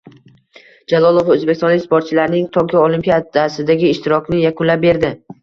Jalolov o‘zbekistonlik sportchilarning Tokio Olimpiadasidagi ishtirokini yakunlab berdi